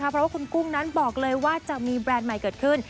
เพราะว่าคุณกุ้งนั้นบอกเลยว่าจะมีแบรนด์ใหม่เกิดขึ้น